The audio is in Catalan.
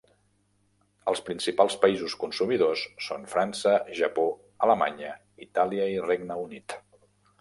Els principals països consumidors són França, Japó, Alemanya, Itàlia i Regne Unit.